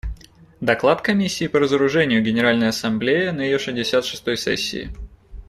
Доклад Комиссии по разоружению Генеральной Ассамблее на ее шестьдесят шестой сессии.